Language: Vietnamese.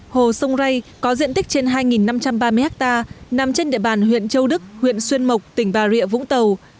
hồ sông ray có diện tích trên hai năm trăm ba mươi hectare nằm trên địa bàn huyện châu đức huyện xuyên mộc tỉnh bà rịa vũng tàu